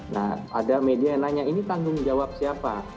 nah ada media yang nanya ini tanggung jawab siapa